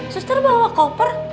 sester bawa koper